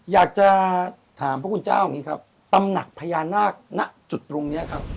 อยากจะถามพระคุณเจ้าอย่างนี้ครับตำหนักพญานาคณจุดตรงนี้ครับ